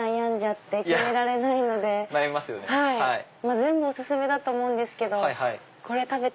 全部お薦めだと思うんですけど食べて！